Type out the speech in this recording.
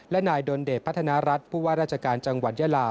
และนายดนเดชพัฒนารัฐผู้ว่าราชการจังหวัดยาลา